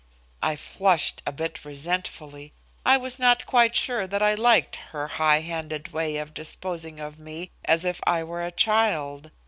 I flushed a bit resentfully. I was not quite sure that I liked her high handed way of disposing of me as if I were a child.